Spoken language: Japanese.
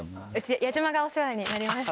矢島がお世話になりました